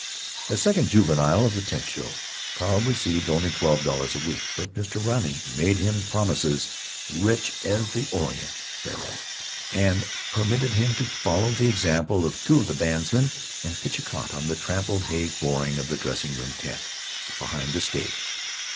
As second juvenile of the Tent Show, Carl received only twelve dollars a week, but Mr. Riley made him promises rich as the Orient beryl, and permitted him to follow the example of two of the bandsmen and pitch a cot on the trampled hay flooring of the dressing room tent, behind the stage.